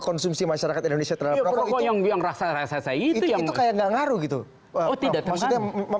konsumsi masyarakat indonesia terhadap rokok itu tidak mengaruh